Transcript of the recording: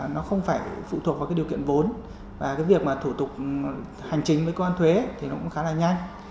nó không phải phụ thuộc vào điều kiện vốn và việc thủ tục hành chính với công an thuế cũng khá là nhanh